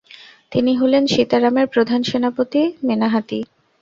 তিনি হলেন সীতারামের প্রধান সেনাপতি মেনাহাতী।